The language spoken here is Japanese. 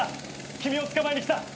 君を捕まえに来た。